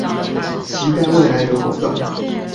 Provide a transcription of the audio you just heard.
期待未來的活動